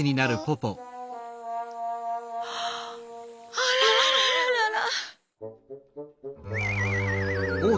あらららららら。